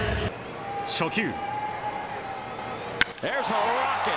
初球。